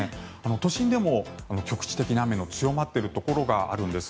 都心でも局地的に雨の強まっているところがあるんです。